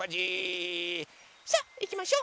さあいきましょ！